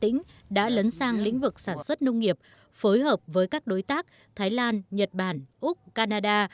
tỉnh đã lấn sang lĩnh vực sản xuất nông nghiệp phối hợp với các đối tác thái lan nhật bản úc canada